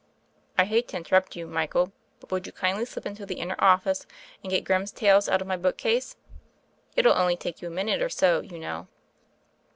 I hate to interrupt you, Michael; but would you kindly slip into the inner office and get Grimm's Tales out of my book case. It'll only take you a minute or so, you know."